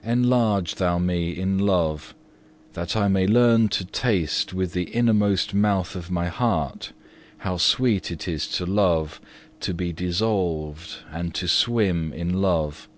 6. Enlarge Thou me in love, that I may learn to taste with the innermost mouth of my heart how sweet it is to love, to be dissolved, and to swim in love.